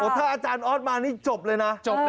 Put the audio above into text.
ถ้าอาจารย์ออสมานี่จบเลยนะจบนะ